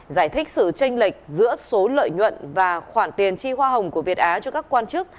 giải thích sự tranh lệch giữa số lợi nhuận và khoản tiền chi hoa hồng của việt á cho các quan chức